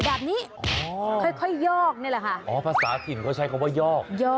แบบนี้ค่อยยอกนี่แล้วค่ะอ๋อภาษาแผ่นก็ใช้คำว่ายอก